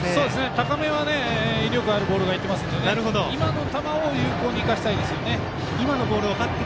高めには威力のある球がいってるので今の球を有効に生かしたいですね。